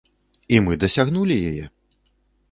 І мы дасягнулі яе!